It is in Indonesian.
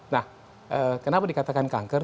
nah kenapa dikatakan kanker